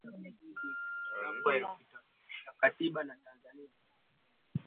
na kusababisha maelfu ya raia wasio na hatia